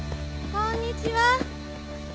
こんにちは。